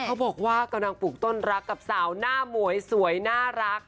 เขาบอกว่ากำลังปลูกต้นรักกับสาวหน้าหมวยสวยน่ารัก